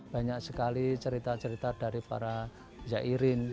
banyak sekali cerita cerita dari para zairin